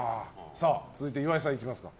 続いて岩井さん、いきますか。